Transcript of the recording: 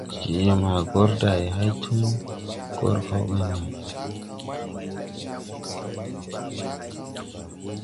Je maa gɔr day hay tum gɔr kaw ɓɛn lay.